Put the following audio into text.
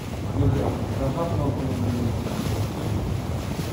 "Wiedział, że za żadną cenę nie będzie mógł wstać."